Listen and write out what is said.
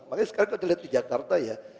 makanya sekarang kita lihat di jakarta ya